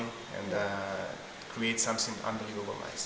dan membuat sesuatu yang indah